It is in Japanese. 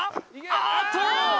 あーっと！